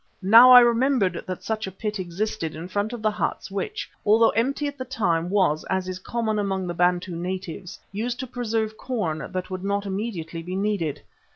Now I remembered that such a pit existed in front of the huts which, although empty at the time, was, as is common among the Bantu natives, used to preserve corn that would not immediately be needed.